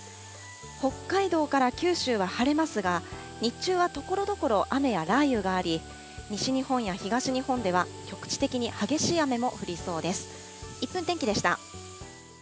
北海道から九州は晴れますが、日中はところどころ雨や雷雨があり、西日本や東日本では局地的に激しい雨も降りそうです。